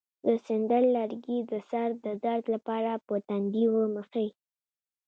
د سندل لرګی د سر د درد لپاره په تندي ومښئ